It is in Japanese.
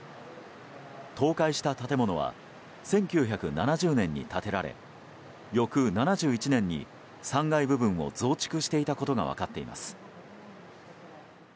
倒壊した建物は１９７０年に建てられ翌７１年に３階部分を増築していたことが分かっています。